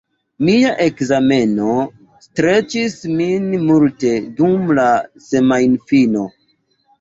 Mia ekzameno streĉis min multe dum la semajnfino.